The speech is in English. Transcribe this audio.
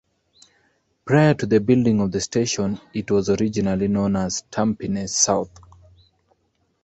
Prior to the building of the station, it was originally known as Tampines South.